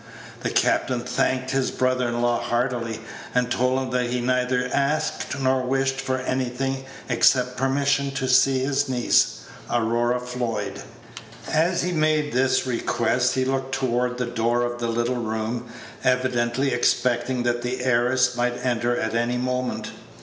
The captain thanked his brother in law heartily, and told him that he neither asked nor wished for anything except permission to see his niece, Aurora Floyd. As he made this request, he looked toward the door of the little room, evidently expecting that the heiress might enter at any moment.